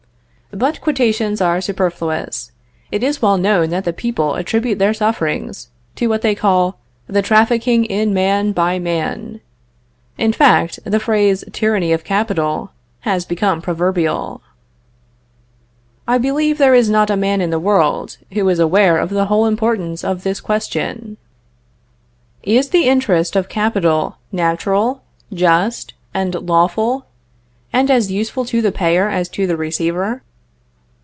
But quotations are superfluous; it is well known that the people attribute their sufferings to what they call the trafficing in man by man. In fact, the phrase tyranny of capital has become proverbial. I believe there is not a man in the world, who is aware of the whole importance of this question: "Is the interest of capital natural, just, and lawful, and as useful to the payer as to the receiver?"